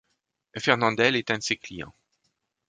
Fernandel est un de ses clients.